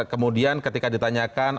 kemudian ketika ditanyakan